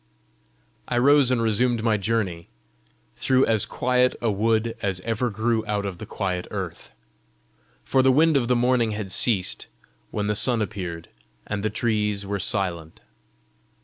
I rose and resumed my journey, through as quiet a wood as ever grew out of the quiet earth. For the wind of the morning had ceased when the sun appeared, and the trees were silent.